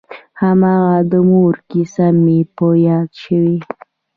هماغه د مور کيسې مې په ياد شوې.